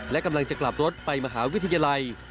และกำลังจะกลับรถไปมหาวิทยาลัย